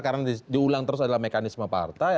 karena diulang terus adalah mekanisme partai